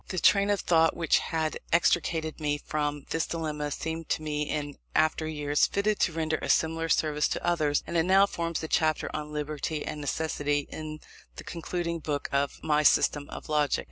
The train of thought which had extricated me from this dilemma seemed to me, in after years, fitted to render a similar service to others; and it now forms the chapter on Liberty and Necessity in the concluding Book of my System of Logic.